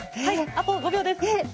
はいあと５秒です。